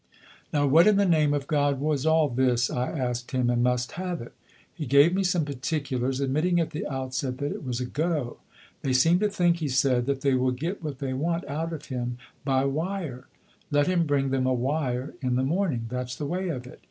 Now, what in the name of God was all this? I asked him, and must have it. He gave me some particulars, admitting at the outset that it was a "go." "They seem to think," he said, "that they will get what they want out of him by wire. Let him bring them a wire in the morning; that's the way of it.